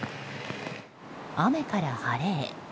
雨から晴れへ。